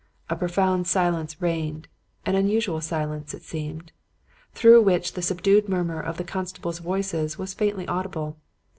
A profound silence reigned an unusual silence, as it seemed! through which the subdued murmur of the constables' voices was faintly audible.